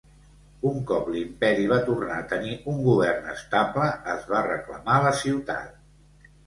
Un cop l'imperi va tornar a tenir un govern estable, es va reclamar la ciutat.